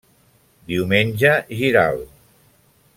Diumenge Giral.